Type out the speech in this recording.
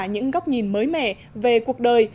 những góc nhìn mới mẻ về cuộc đời